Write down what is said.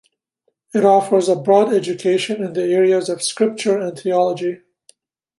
It offers a broad education in the areas of scripture and theology.